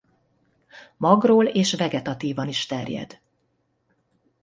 Magról és vegetatívan is terjed.